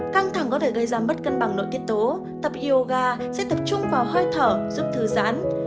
căng thẳng có thể gây ra mất cân bằng nội tiết tố tập hyoga sẽ tập trung vào hơi thở giúp thư giãn